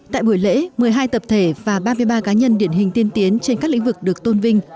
tại buổi lễ một mươi hai tập thể và ba mươi ba cá nhân điển hình tiên tiến trên các lĩnh vực được tôn vinh